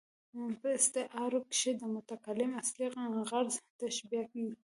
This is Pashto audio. په استعاره کښي د متکلم اصلي غرض تشبېه يي.